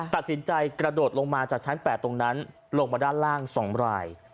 ตัดสินใจกระโดดลงมาจากชั้น๘ตรงนั้นลงมาด้านล่าง๒ราย